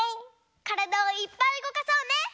からだをいっぱいうごかそうね！